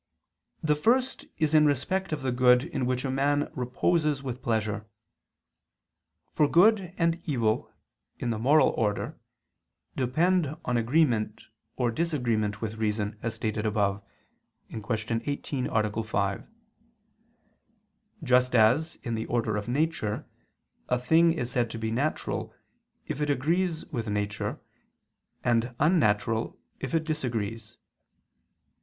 The first is in respect of the good in which a man reposes with pleasure. For good and evil in the moral order depend on agreement or disagreement with reason, as stated above (Q. 18, A. 5): just as in the order of nature, a thing is said to be natural, if it agrees with nature, and unnatural, if it disagrees.